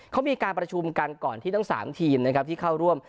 เขามีการประชุมกันก่อนที่ทั้ง๓ทีมนะครับที่เข้าร่วม